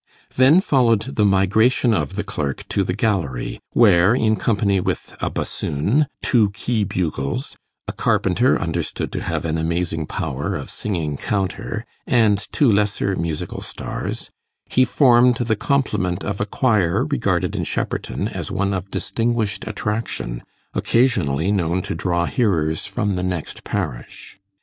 Then followed the migration of the clerk to the gallery, where, in company with a bassoon, two key bugles, a carpenter understood to have an amazing power of singing 'counter', and two lesser musical stars, he formed the complement of a choir regarded in Shepperton as one of distinguished attraction, occasionally known to draw hearers from the next parish.